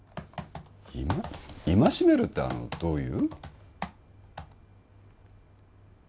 戒めるってあのどういう？